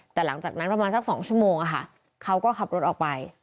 แต่หลังจากนั้นประมาณสัก๒ชั่วโมงเขาก็ขับรถออกไป